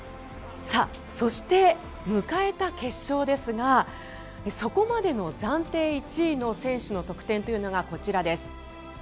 そして、迎えた決勝ですがそこまでの暫定１位の選手の得点というのがこちらです。